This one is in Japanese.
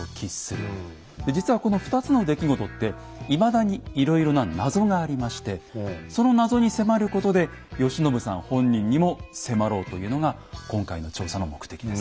実はこの２つの出来事っていまだにいろいろな謎がありましてその謎に迫ることで慶喜さん本人にも迫ろうというのが今回の調査の目的です。